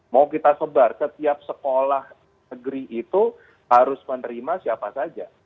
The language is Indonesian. mau kita sebar setiap sekolah negeri itu harus menerima siapa saja